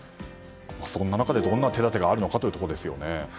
そんな中で、どんな手立てがあるのかというところですよね。